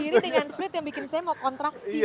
diakhiri dengan split yang bikin saya mau kontraksi kayaknya